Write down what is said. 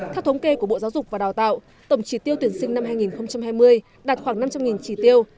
theo thống kê của bộ giáo dục và đào tạo tổng trí tiêu tuyển sinh năm hai nghìn hai mươi đạt khoảng năm trăm linh trì tiêu